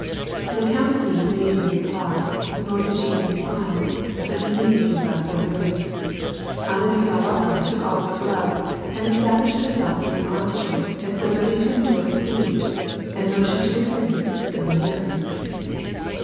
The count's niece made no reply, nor did she even smile, but immediately left the room. Anna Mikhailovna took off her gloves and established herself in an arm chair as though ready to endure a siege, and motioned to the prince to sit down near her.